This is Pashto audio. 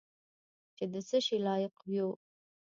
چې د څه شي لایق یو .